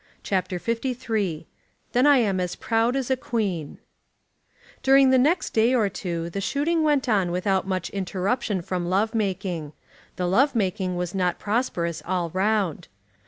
CHAPTER LIII "Then I Am As Proud As a Queen" During the next day or two the shooting went on without much interruption from love making. The love making was not prosperous all round.